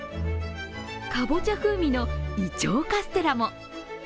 かぼちゃ風味のいちょうカステラも。